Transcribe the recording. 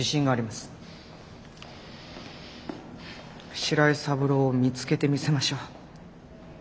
白井三郎を見つけてみせましょう。